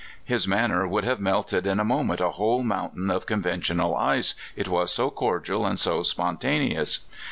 His manner would have melted in a moment a whole mountain of conventional ice, it was so cor dial and so spontaneous.